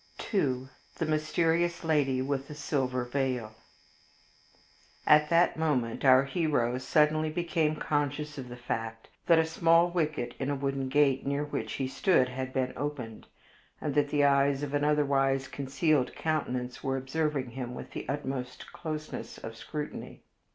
II The Mysterious Lady with the Silver Veil At that moment our hero suddenly became conscious of the fact that a small wicket in a wooden gate near which he stood had been opened, and that the eyes of an otherwise concealed countenance were observing him with the utmost closeness of scrutiny.